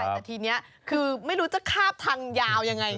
แต่ทีนี้คือไม่รู้จะคาบทางยาวยังไง